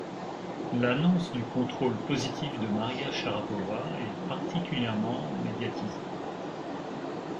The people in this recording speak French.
L'annonce du contrôle positif de Maria Sharapova est particulièrement médiatisé.